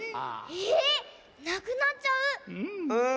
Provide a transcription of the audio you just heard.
えなくなっちゃう⁉うん。